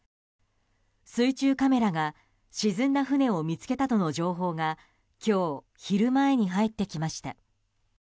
水中カメラが沈んだ船を見つけたとの情報が今日、昼前に入ってきました。